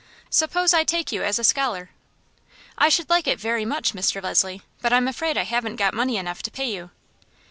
Suppose I take you as a scholar?" "I should like it very much, Mr. Leslie, but I'm afraid I haven't got money enough to pay you."